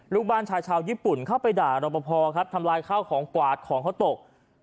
ลูกบ้านชายชาวญี่ปุ่นเข้าไปด่ารับประพอครับทำลายข้าวของกวาดของเขาตก